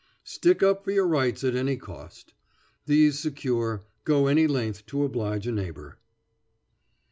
Stick up for your rights at any cost. These secure, go any length to oblige a neighbor.